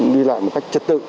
đi lại một cách trật tự